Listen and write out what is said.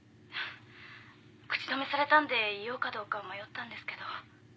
口止めされたんで言おうかどうか迷ったんですけど。